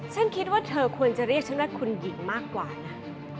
ฉันคิดว่าเธอควรจะเรียกฉันว่าคุณหญิงมากกว่านะ